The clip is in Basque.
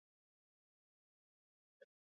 Antza denez, pozoia eman zieten zazpi gaixo horiei.